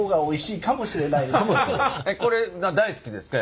えっこれ大好きですか？